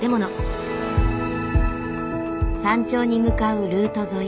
山頂に向かうルート沿い